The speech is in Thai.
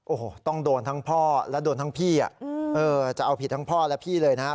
โอ้โหต้องโดนทั้งพ่อและโดนทั้งพี่จะเอาผิดทั้งพ่อและพี่เลยนะฮะ